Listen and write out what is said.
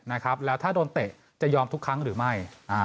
เดี๋ยวถ้าโดนเตะจะยอมทุกครั้งหรือไม่